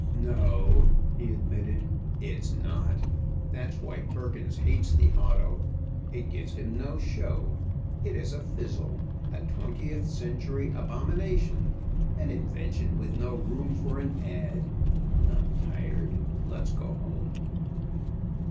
"No," he admitted, "it's not. That's why Perkins hates the auto. It gives him no show. It is a fizzle, a twentieth century abomination an invention with no room for an ad. I'm tired. Let's go home."